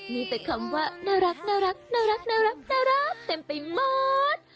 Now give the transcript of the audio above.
มีแต่คำว่าน่ารักน่ารักน่ารักน่ารักน่ารักเต็มไปหมด